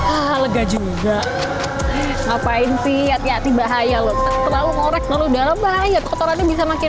ah lega juga ngapain sih hati hati bahaya loh terlalu ngorek terlalu dalam bahaya kotorannya bisa makin